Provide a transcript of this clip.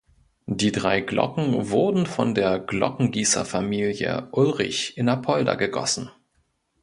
Die drei Glocken wurden von der Glockengießerfamilie Ulrich in Apolda gegossen.